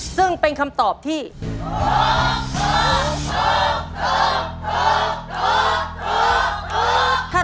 ถูกไม่ถูก